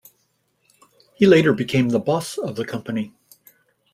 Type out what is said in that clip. He later became the boss of the company.